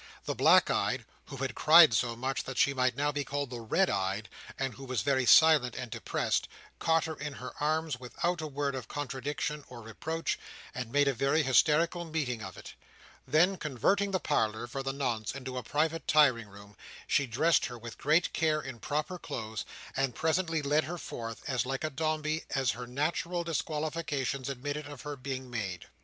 The black eyed (who had cried so much that she might now be called the red eyed, and who was very silent and depressed) caught her in her arms without a word of contradiction or reproach, and made a very hysterical meeting of it. Then converting the parlour, for the nonce, into a private tiring room, she dressed her, with great care, in proper clothes; and presently led her forth, as like a Dombey as her natural disqualifications admitted of her being made.